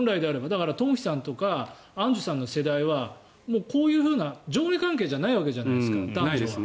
だから、東輝さんとかアンジュさんの世代はこういうふうな上下関係じゃないわけじゃないですか男女は。